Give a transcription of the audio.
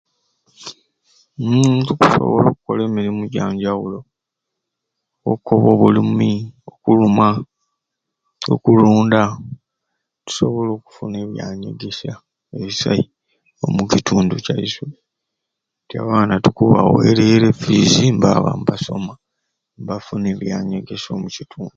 Uuuhm tukusobola okukola emirumu ejjanjjawulo okukoba obulumi okulumwa okulunda nitusobola okufuna ebyanyegesya ebisai omukitundu kyaiswe nti abaana tukubawerere e school fees nibaaba nibasoma nebafuna ebyanyegesya omu kitundu